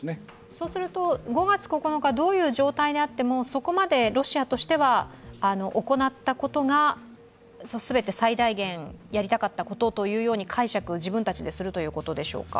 そうすると、５月９日、どういう状態であってもそこまでロシアとしては行ったことが、全て最大限やりたかったことだと解釈、自分たちでするということでしょうか？